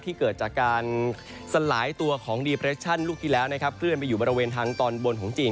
เกิดจากการสลายตัวของดีเปรชั่นลูกที่แล้วนะครับเคลื่อนไปอยู่บริเวณทางตอนบนของจีน